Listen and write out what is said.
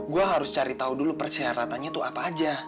gua harus cari tau dulu persyaratannya tuh apa aja